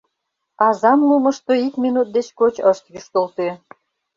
Азам лумышто ик минут деч коч ышт йӱштылтӧ.